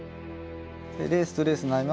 レースとレースの間？